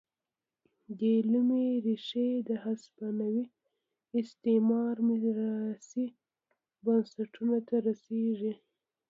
دې لومې ریښې د هسپانوي استعمار میراثي بنسټونو ته رسېږي.